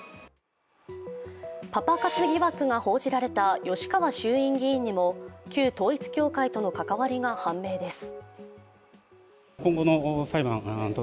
パパ活疑惑が報じられた吉川衆議院議員にも旧統一教会との関わりが判明です。